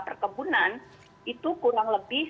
perkebunan itu kurang lebih